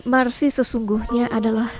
marsi sesungguhnya adalah